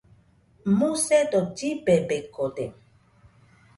Musedo llibebekode